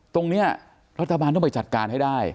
ตรงนี้รัฐบาลต้องไปจัดการให้ได้